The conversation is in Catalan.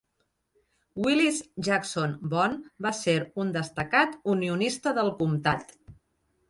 Willis Jackson Bone va ser un destacat unionista del comtat.